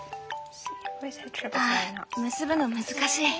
ああ結ぶの難しい。